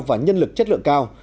và nhân lực chất lượng cao